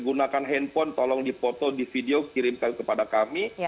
gunakan handphone tolong dipoto di video kirimkan kepada kami